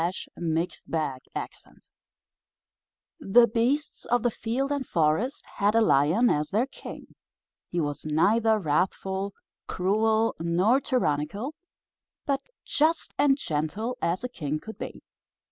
The Kingdom of the Lion THE BEASTS of the field and forest had a Lion as their king. He was neither wrathful, cruel, nor tyrannical, but just and gentle as a king could be.